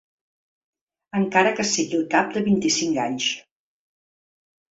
Encara que sigui al cap de vint-i-cinc anys.